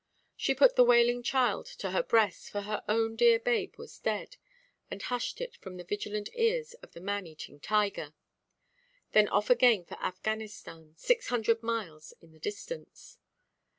She put the wailing child to her breast, for her own dear babe was dead, and hushed it from the vigilant ears of the man–eating tiger. Then off again for Affghanistan, six hundred miles in the distance.